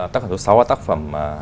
tác phẩm số sáu là tác phẩm